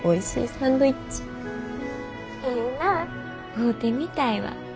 会うてみたいわ。